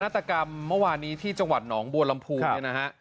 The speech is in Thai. ตกรรมเมื่อวานนี้ที่จังหวัดหนองบัวลำพูเนี่ยนะฮะ